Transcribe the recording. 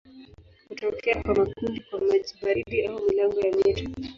Hutokea kwa makundi kwa maji baridi au milango ya mito.